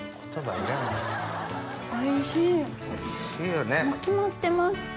もう決まってます。